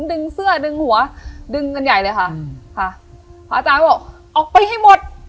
ดึงเสื้อดึงหัวดึงกันใหญ่เลยค่ะอืมค่ะพระอาจารย์ก็บอกออกไปให้หมด